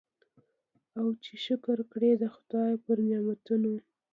او چي شکر کړي د خدای پر نعمتونو